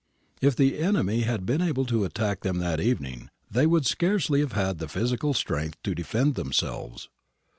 If the enemy had been able to attack them that evening, they would scarcely have had the physical strength to defend themselves.